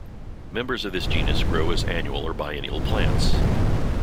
Members of this genus grow as annual or biennial plants.